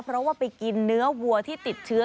เพราะว่าไปกินเนื้อวัวที่ติดเชื้อ